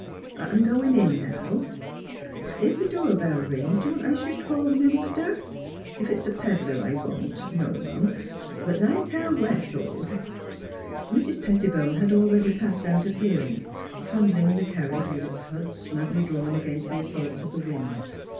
... I'm goin' in now. ... If th' door bell rings d' you want I should call th' min ister? ... Ef it's a pedlar, I won't? No'm. But 's I tell Wessel.^^ " 338 THE HEART OF PHILUEA Mrs. Pettibone had already passed out of hear ing, trundling the carriage with its hood snugly drawn against the assaults of the wind.